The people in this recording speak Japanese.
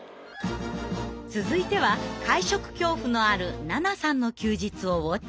続いては会食恐怖のあるななさんの休日をウォッチング。